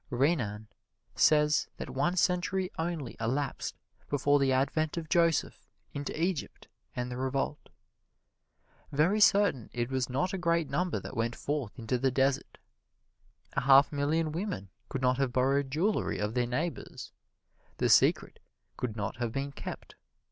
Renan says that one century only elapsed between the advent of Joseph into Egypt and the revolt. Very certain it was not a great number that went forth into the desert. A half million women could not have borrowed jewelry of their neighbors the secret could not have been kept.